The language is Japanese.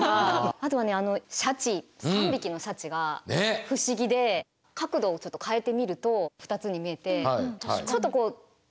あとはねあのシャチ３匹のシャチが不思議で角度をちょっと変えてみると２つに見えてはい